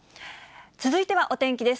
続いてはお天気です。